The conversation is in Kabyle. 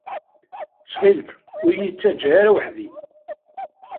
Ttxil-k, ur iyi-ttaǧǧa ara weḥd-i.